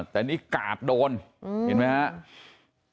แต่นี่กาดโดนเห็นไหมครับ